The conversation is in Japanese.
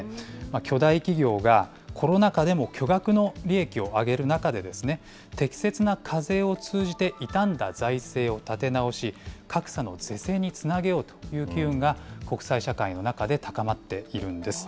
巨大企業がコロナ禍でも巨額の利益を上げる中で、適切な課税を通じて傷んだ財政を立て直し、格差の是正につなげようという機運が、国際社会の中で高まっているんです。